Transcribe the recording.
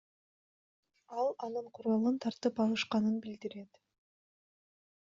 Ал анын куралын тартып алышканын билдирет.